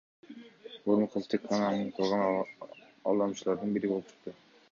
Ормуков тек гана аныкталган алдамчылардын бири болуп чыкты.